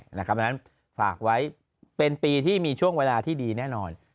เพราะฉะนั้นฝากไว้เป็นปีที่มีช่วงเวลาที่ดีแน่นอน